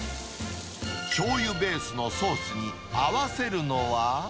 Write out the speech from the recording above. しょうゆベースのソースに合わせるのは。